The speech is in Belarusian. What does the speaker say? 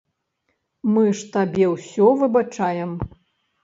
Мы ж табе ўсё выбачаем.